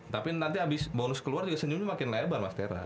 tapi nanti abis bonus keluar senyumnya makin lebar mas tera